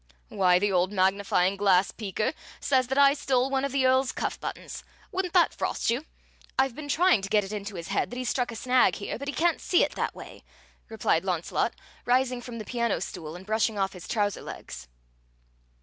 "Why, the old magnifying glass peeker says that I stole one of the Earl's cuff buttons! Wouldn't that frost you? I've been trying to get it into his head that he's struck a snag here, but he can't see it that way," replied Launcelot, rising from the piano stool and brushing off his trouser legs.